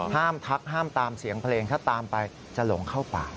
ทักห้ามตามเสียงเพลงถ้าตามไปจะหลงเข้าป่า